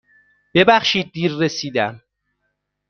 ببخشید دیر رسیدم.